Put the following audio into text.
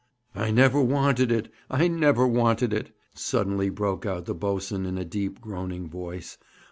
'I never wanted it! I never wanted it!' suddenly broke out the boatswain, in a deep groaning voice.